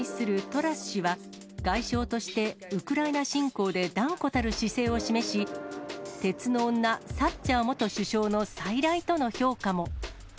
トラス氏は、外相としてウクライナ侵攻で断固たる姿勢を示し、鉄の女、サッチャー元首相の再来との評価も。